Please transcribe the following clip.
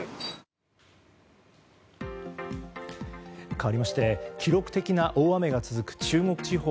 かわりまして記録的な大雨が続く中国地方。